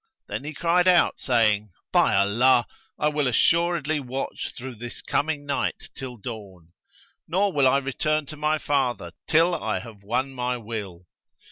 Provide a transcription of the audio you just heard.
Then he cried out saying, 'By Allah, I will assuredly watch through this coming night till dawn, nor will I return to my father till I have won my will.'